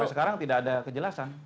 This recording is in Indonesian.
kalau sekarang tidak ada kejelasan